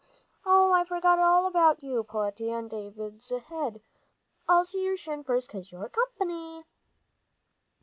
"Oh, I forgot all about you, Peletiah, and David's head. I'll see your shin first, 'cause you're company."